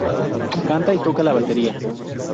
Canta y toca la batería.